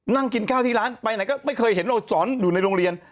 นั่งกินข้าวที่ร้านไปไหนก็ไม่เคยเห็นเราสอนอยู่ในโรงเรียน